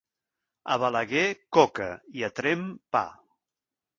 A Balaguer, coca, i a Tremp, pa.